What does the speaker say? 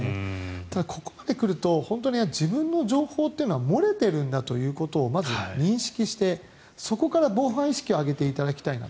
ただ、ここまで来ると本当に自分の情報というのは漏れているんだということをまず認識して、そこから防犯意識を上げていただきたいと。